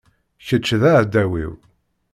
Kečč d aεdaw-iw.